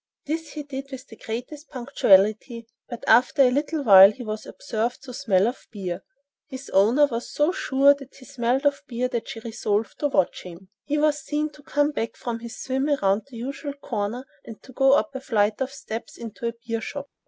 This he did with the greatest punctuality, but after a little while was observed to smell of beer. His owner was so sure that he smelled of beer that she resolved to watch him. He was seen to come back from his swim round the usual corner and to go up a flight of steps into a beer shop.